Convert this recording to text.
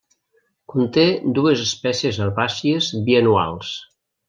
Conté dues espècies herbàcies bianuals.